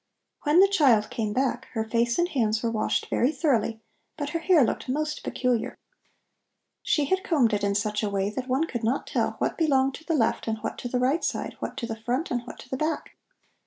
When the child came back her face and hands were washed very thoroughly, but her hair looked most peculiar. She had combed it in such a way that one could not tell what belonged to the left and what to the right side, what to the front and what to the back.